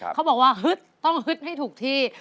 เขาบอกว่าฮึดต้องฮึดให้ถูกที่